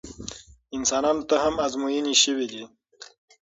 انسانانو ته هم ازموینې شوي دي.